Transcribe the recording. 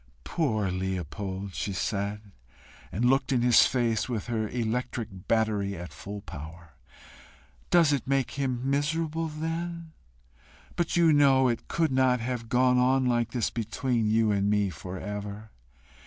"Poor Leopold!" she said, and looked in his face with her electric battery at full power; "does it make him miserable, then? But you know it could not have gone on like this between you and me for ever!